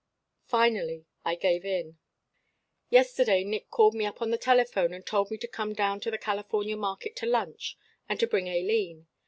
"Finally I gave in. Yesterday Nick called me up on the telephone and told me to come down to the California Market to lunch, and to bring Aileen.